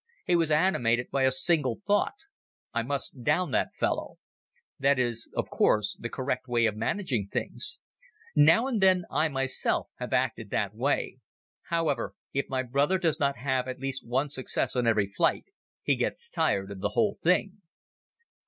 He was animated by a single thought: I must down that fellow. That is, of course, the correct way of managing things. Now and then I myself have acted that way. However, if my brother does not have at least one success on every flight he gets tired of the whole thing.